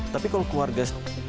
tapi kalau keluarga